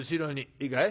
いいかい？